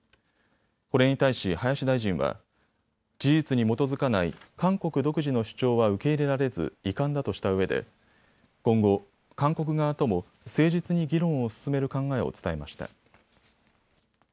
これに対し林大臣は事実に基づかない韓国独自の主張は受け入れられず遺憾だとしたうえで今後、韓国側とも誠実に議論を進める考えを伝えました。